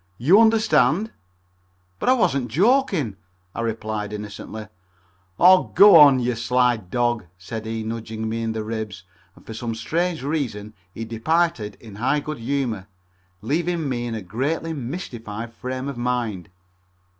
You understand?" "But I wasn't joking," I replied innocently. "Aw go on, you sly dog," said he, nudging me in the ribs, and for some strange reason he departed in high good humor, leaving me in a greatly mystified frame of mind.